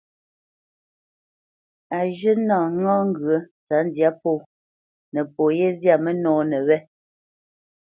Á zhə̂ nâ ŋá ŋgyə̌ tsə̌tndyǎ pó nəpo yé zyâ mənɔ́nə wé.